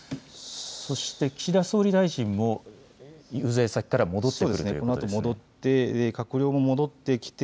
そして岸田総理大臣も遊説先から戻ってきて。